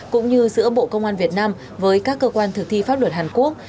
cũng như giữa bộ công an việt nam với các cơ quan thực thi pháp luật hàn quốc